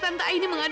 dan setelah ditangkap